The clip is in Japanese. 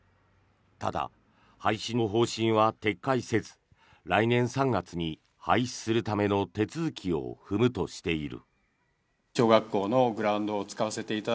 ただ、廃止の方針は撤回せず来年３月に廃止するための手続きを踏むとしている。